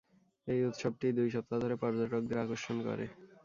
এই উৎসবটি দুই সপ্তাহ ধরে পর্যটকদের আকর্ষণ করে।